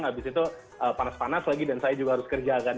habis itu panas panas lagi dan saya juga harus kerja kan